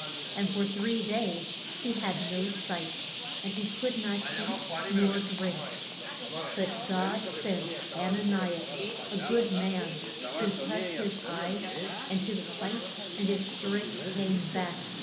And for three days he had no sight; and he could not eat nor drink. But God sent An a ni as, a good man, to touch his eyes, and his sight and his strength came back.